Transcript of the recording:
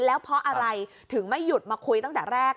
แล้วเพราะอะไรถึงไม่หยุดมาคุยตั้งแต่แรก